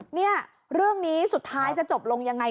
เนี่ยเรื่องนี้สุดท้ายจะจบลงยังไง